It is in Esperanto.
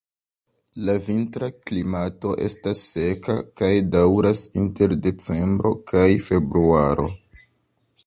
La vintra klimato estas seka kaj daŭras inter decembro kaj februaro.